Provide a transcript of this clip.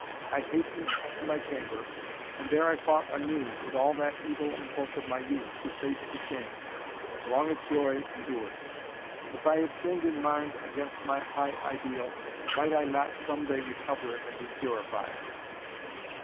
I hastened to my chamber, and there I fought anew with all that evil impulse of my youth, to face the shame, as long as joy endured. If I had sinned in mind against my high ideal might I not some day recover it and be purified?"